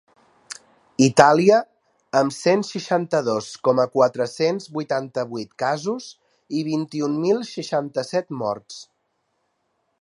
Itàlia, amb cent seixanta-dos coma quatre-cents vuitanta-vuit casos i vint-i-un mil seixanta-set morts.